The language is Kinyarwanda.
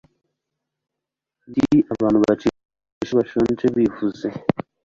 ndi abantu, bicisha bugufi, bashonje, bivuze-